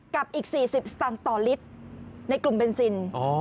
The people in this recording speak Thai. กับอีกสี่สิบสตางค์ต่อลิตรในกลุ่มเป็นซินอ๋อ